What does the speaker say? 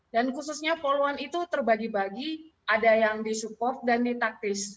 dan khususnya poluan itu terbagi bagi ada yang di support dan di taktis